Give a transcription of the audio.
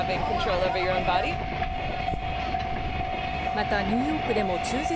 また、ニューヨークでも中絶